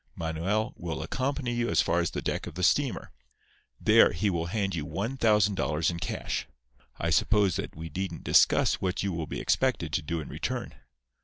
Manuel will accompany you as far as the deck of the steamer. There he will hand you one thousand dollars in cash. I suppose that we needn't discuss what you will be expected to do in return."